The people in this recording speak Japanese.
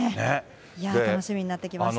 いやぁ、楽しみになってきました。